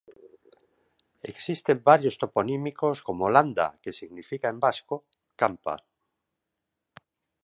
Existen varios toponímicos como "Landa" que significa en vasco, campa.